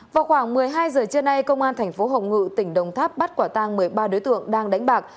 vào khoảng một mươi hai giờ trưa nay công an tp hồng ngự tỉnh đông tháp bắt quả tăng một mươi ba đối tượng đang đánh bạc